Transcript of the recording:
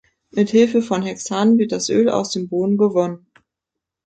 Mit Hilfe von Hexan wird das Öl aus den Bohnen gewonnen.